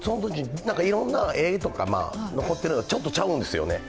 いろんな絵とか残ってるのはちょっとちゃうんですよね。